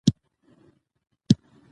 د پرېکړو ځنډ بې باوري زېږوي